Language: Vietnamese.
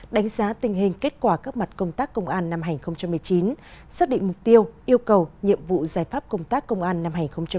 đánh giá tình hình kết quả các mặt công tác công an năm hai nghìn một mươi chín xác định mục tiêu yêu cầu nhiệm vụ giải pháp công tác công an năm hai nghìn hai mươi